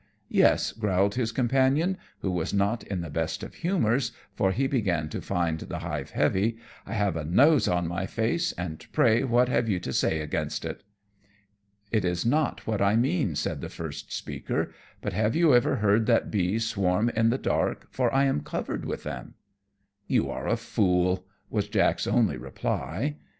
"Yes," growled his companion, who was not in the best of humours, for he began to find the hive heavy, "I have a nose on my face, and pray what have you to say against it?" "It is not that I mean," said the first speaker; "but have you ever heard that bees swarm in the dark, for I am covered with them?" "You are a fool," was Jack's only reply.